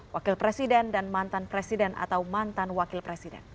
wakil presiden dan mantan presiden atau mantan wakil presiden